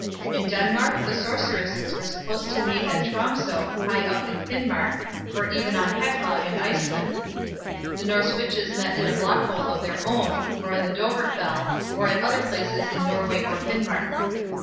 In Denmark, the sorceresses were supposed to meet at Tromsoe high up in Finmark, or even on Heckla in Iceland. The Norse witches met at a Blokolle of their own, or on the Dovrefell, or at other places in Norway or Finmark.